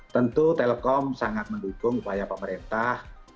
tentu telkom sangat mendukung upaya pemerintah